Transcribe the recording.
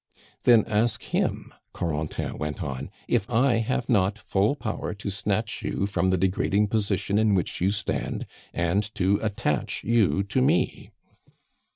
"Then ask him," Corentin went on, "if I have not full power to snatch you from the degrading position in which you stand, and to attach you to me."